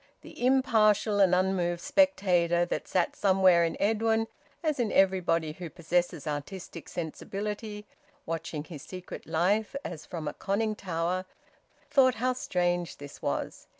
The impartial and unmoved spectator that sat somewhere in Edwin, as in everybody who possesses artistic sensibility, watching his secret life as from a conning tower, thought how strange this was.